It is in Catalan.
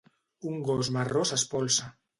un gos marró s'espolsa